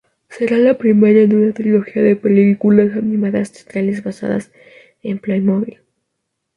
Será la primera en una trilogía de películas animadas teatrales basadas en Playmobil.